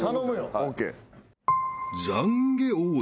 ＯＫ。